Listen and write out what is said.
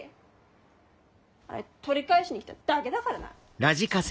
あれ取り返しに来ただけだからな。